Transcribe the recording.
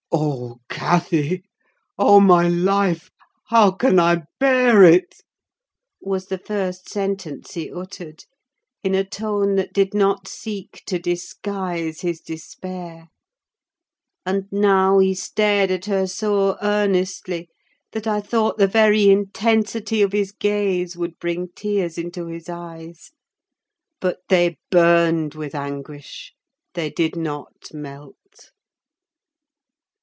"Oh, Cathy! Oh, my life! how can I bear it?" was the first sentence he uttered, in a tone that did not seek to disguise his despair. And now he stared at her so earnestly that I thought the very intensity of his gaze would bring tears into his eyes; but they burned with anguish: they did not melt.